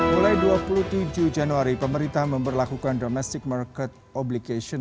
mulai dua puluh tujuh januari pemerintah memperlakukan domestic market obligation